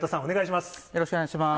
よろしくお願いします。